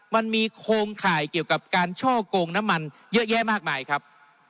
มันมีโครงข่ายเกี่ยวกับการช่อกงน้ำมันเยอะแยะมากมายครับ